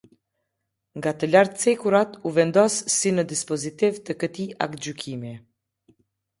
Nga te lartë cekurat u vendos si në dispozitiv të këtij Aktgjykimi.